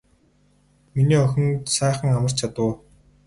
Миний охин сайхан амарч чадав уу.